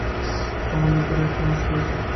আমার লোকেরা এটা মিস করেছে।